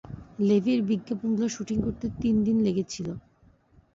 লেভির বিজ্ঞাপনগুলো শুটিং করতে তিন দিন লেগেছিল।